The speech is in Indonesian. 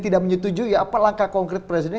tidak menyetuju ya apa langkah konkret presiden